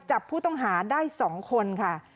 จับผู้ต้องหาได้๒คนค่ะ